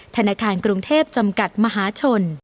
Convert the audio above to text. ธนาคารกรุงเทพจำกัดมหาชน